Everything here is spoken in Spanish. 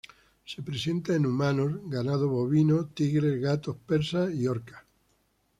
Se presenta en humanos, ganado bovino, tigres, gatos persas y orcas.